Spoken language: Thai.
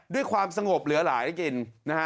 ด้วยความสงบเหลือหลายกินนะฮะ